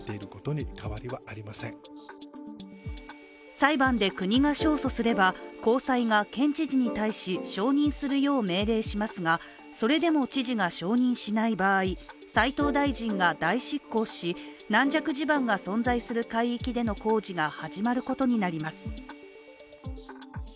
裁判で国が勝訴すれば、高裁が県知事に対し承認するよう命令しますが、それでも知事が承認しない場合斉藤大臣が代執行し、軟弱地盤が存在する海域での工事が始まることになります。